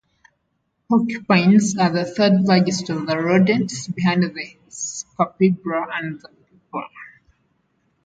Porcupines are the third-largest of the rodents, behind the capybara and the beaver.